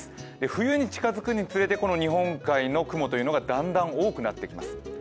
冬に近づくにつれてこの日本海の雲というのがだんだん多くなってきます。